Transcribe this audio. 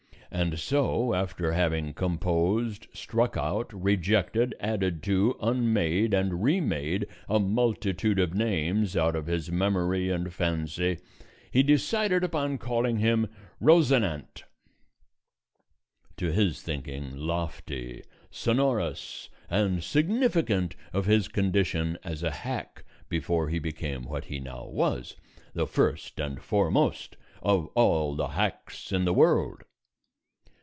And so after having composed, struck out, rejected, added to, unmade, and remade a multitude of names out of his memory and fancy, he decided upon calling him Rosinante, to his thinking lofty, sonorous, and significant of his condition as a hack before he became what he now was, the first and foremost of all the hacks in the world.